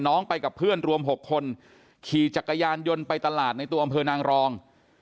ไปกับเพื่อนรวม๖คนขี่จักรยานยนต์ไปตลาดในตัวอำเภอนางรอง